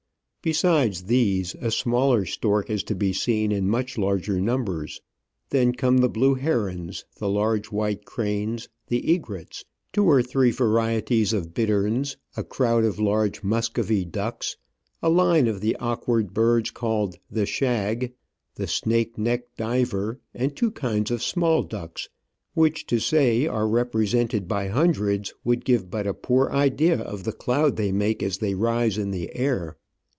Besides these, a smaller stork is to be seen in much larger numbers. Then come the blue herons, the large white cranes, the egrets, two or three varieties of bitterns, a crowd of large Muscovy ducks, a line of the awkward birds Digitized by VjOOQIC OF AN Orchid Hunter. 189 called *' the Shag," the snake necked diver, and two kinds of small ducks, which to say are represented by hundreds would give but a poor idea of the cloud they make as they rise in the air.